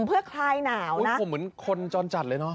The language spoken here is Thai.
อุ้ยผมเหมือนคนจอดจัดเลยเนอะ